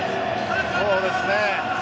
そうですね。